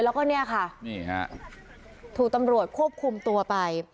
แล้วก็เนี่ยค่ะนี่ฮะถูกตำรวจควบคุมตัวไป